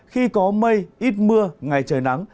khi có mây ít mưa ngày trời nắng